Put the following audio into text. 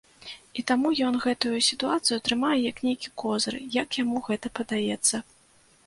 І таму ён гэтую сітуацыю трымае як нейкі козыр, як яму гэта падаецца.